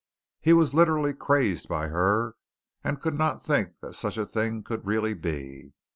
He was literally crazed by her, and could not think that such a thing could really be.